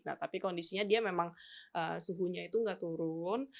nah tapi kondisinya dia memang suhunya itu nggak turun